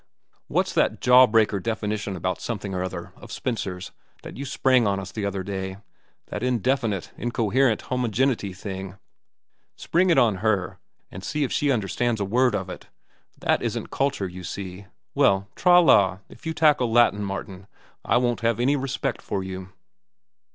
What's that jawbreaker definition about something or other, of Spencer's, that you sprang on us the other day—that indefinite, incoherent homogeneity thing? Spring it on her, and see if she understands a word of it. That isn't culture, you see. Well, tra la, and if you tackle Latin, Martin, I won't have any respect for you."